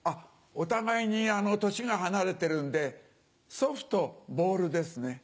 お互いに年が離れてるんでソフとボールですね。